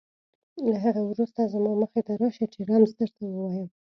له هغې وروسته زما مخې ته راشه چې رمز درته ووایم.